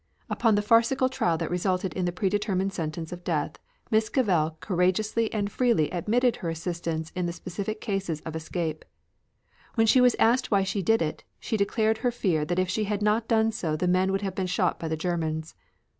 Upon the farcical trial that resulted in the predetermined sentence of death, Miss Cavell courageously and freely admitted her assistance in the specified cases of escape. When she was asked why she did it, she declared her fear that if she had not done so the men would have been shot by the Germans.